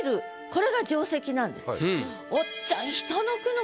これが定石なんです。